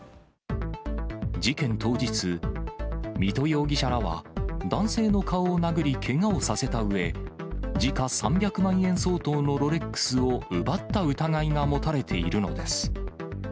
事件当日、水戸容疑者らは男性の顔を殴りけがをさせたうえ、時価３００万円相当のロレックスを奪った疑いが持たれているのです。